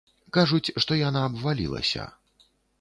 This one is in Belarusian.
Кажуць, што яна абвалілася.